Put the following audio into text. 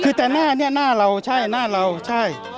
คือแต่หน้าเนี่ยหน้าเราใช่หน้าเราใช่